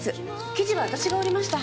生地は私が織りました。